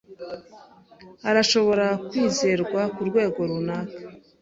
Arashobora kwizerwa kurwego runaka.